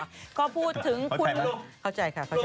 พี่ชอบแซงไหลทางอะเนาะ